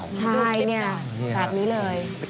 โบราณตรีปต่าง